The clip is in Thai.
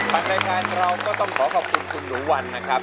ปัจจัยงานเราก็ต้องขอขอบคุณคุณหนุวัลนะครับ